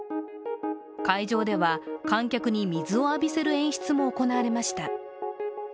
会場では観客に水を浴びせる演出も行われました。